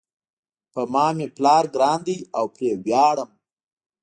په ما مېپلار ګران ده او پری ویاړم